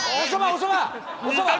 おそば！